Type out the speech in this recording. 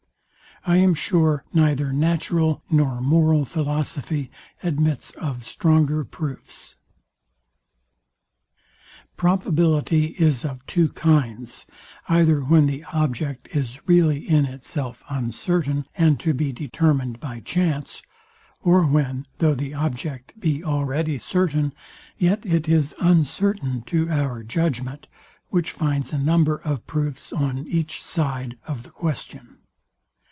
I am sure neither natural nor moral philosophy admits of stronger proofs. Probability is of two kinds, either when the object is really in itself uncertain, and to be determined by chance; or when, though the object be already certain, yet it is uncertain to our judgment, which finds a number of proofs on each side of the question.